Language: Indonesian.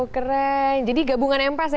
keren jadi gabungan empas ya